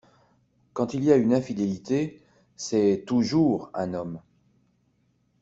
Quand il y a une infidélité, c’est toujours un homme.